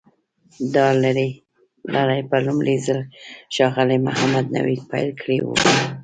دا لړۍ په لومړي ځل ښاغلي محمد نوید پیل کړې وه.